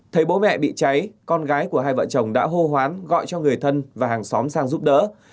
thấy bố mẹ bị cháy con gái của hai vợ chồng đã hô hoán gọi cho người thân và hàng xóm sang giúp đỡ